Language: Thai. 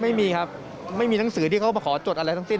ไม่มีครับไม่มีหนังสือที่เขามาขอจดอะไรทั้งสิ้น